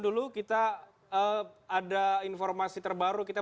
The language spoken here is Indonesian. dulu kita ada informasi terbaru kita